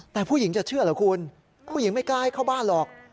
แต่ผู้หญิงจะเชื่อเหรอคุณผู้หญิงไม่กล้าให้เข้าบ้านหรอก